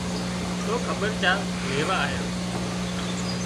تو کٻير چار ليوا آيان